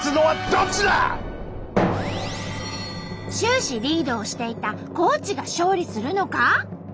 終始リードをしていた高知が勝利するのか！？